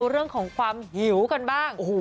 เรื่องของความหิวกันบ้าง